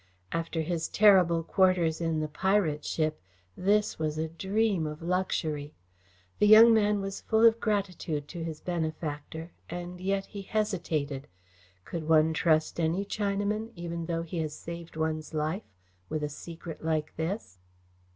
After his terrible quarters in the pirate ship this was a dream of luxury. The young man was full of gratitude to his benefactor, and yet he hesitated. Could one trust any Chinaman, even though he has saved one's life, with a secret like this?